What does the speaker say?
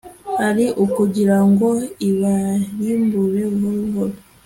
ari ukugira ngo ibarimbure buhoro buhoro.